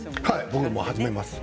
僕も始めます。